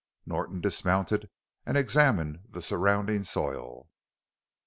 Norton dismounted and examined the surrounding soil.